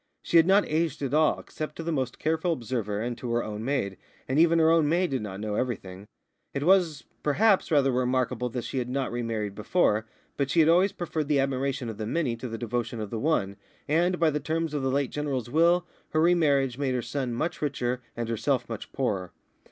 She had not aged at all, except to the most careful observer and to her own maid, and even her own maid did not know everything. It was, perhaps, rather remarkable that she had not re married before, but she had always preferred the admiration of the many to the devotion of one, and, by the terms of the late General's will, her re marriage made her son much richer and herself much poorer.